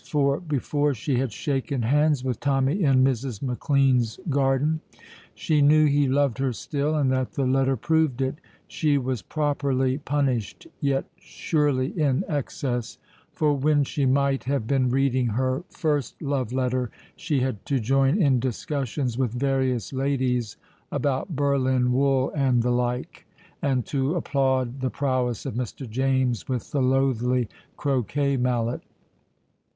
for before she had shaken hands with Tommy in Mrs. McLean's garden she knew he loved her still, and that the letter proved it. She was properly punished, yet surely in excess, for when she might have been reading her first love letter, she had to join in discussions with various ladies about Berlin wool and the like, and to applaud the prowess of Mr. James with the loathly croquet mallet.